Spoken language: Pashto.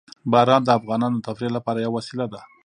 باران د افغانانو د تفریح لپاره یوه وسیله ده.